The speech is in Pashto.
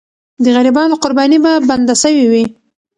د غریبانو قرباني به بنده سوې وي.